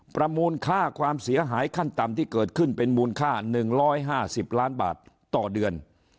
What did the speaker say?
มูลค่าความเสียหายขั้นต่ำที่เกิดขึ้นเป็นมูลค่า๑๕๐ล้านบาทต่อเดือน